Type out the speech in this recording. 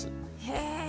へえ。